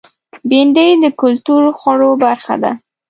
بېنډۍ د کلتور خوړو برخه ده